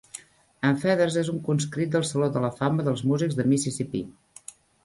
En Feathers és un conscrit del Saló de la fama dels músics de Mississippi.